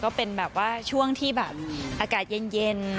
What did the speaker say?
ก็เป็นแบบว่าช่วงที่แบบอากาศเย็น